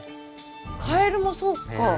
カエルもそうか。